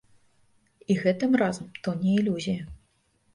І гэтым разам то не ілюзія.